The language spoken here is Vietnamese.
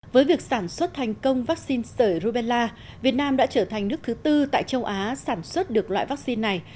với việc sản xuất thành công vaccine sởi rubella việt nam đã trở thành nước thứ tư tại châu á sản xuất được loại vaccine này